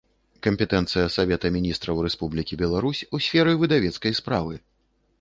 Кампетэнцыя Савета Мiнiстраў Рэспублiкi Беларусь у сферы выдавецкай справы